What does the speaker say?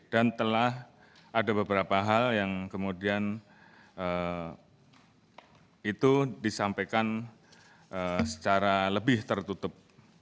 dan telah ada beberapa hal yang kemudian itu disampaikan secara lebih tertutup